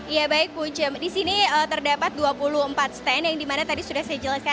ya baik punca di sini terdapat dua puluh empat stand yang dimana tadi sudah saya jelaskan